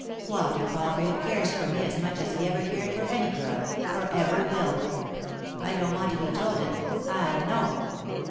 Walter Palgrave cares for me as much as he ever cared for any girl, or ever will ; I don't want to be told it ; I know.